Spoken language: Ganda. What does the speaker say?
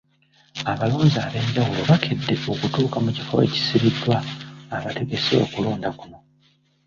Abalonzi ab’enjawulo baakedde okutuuka mu kifo ekisibiddwa abategese okulonda kuno.